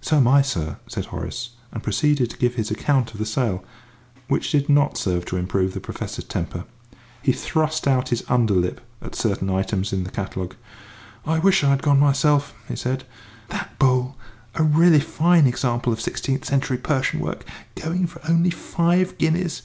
"So am I, sir," said Horace, and proceeded to give his account of the sale, which did not serve to improve the Professor's temper. He thrust out his under lip at certain items in the catalogue. "I wish I'd gone myself," he said; "that bowl, a really fine example of sixteenth century Persian work, going for only five guineas!